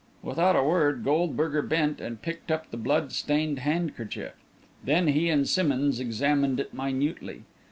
Without a word, Goldberger bent and picked up the blood stained handkerchief. Then he and Simmonds examined it minutely.